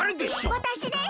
わたしです。